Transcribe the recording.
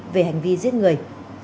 về hành vi giết người